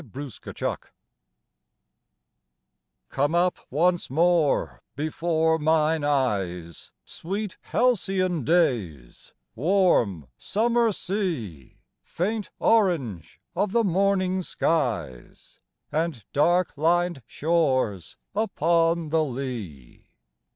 LOTUS EATING Come up once more before mine eyes, Sweet halcyon days, warm summer sea, Faint orange of the morning skies And dark lined shores upon the lee!